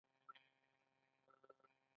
ایاتیام سوال د کاري ستونزو حل دی.